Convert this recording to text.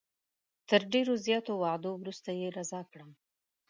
تر ډېرو زیاتو وعدو وروسته یې رضا کړم.